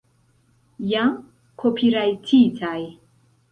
Jam kopirajtitaj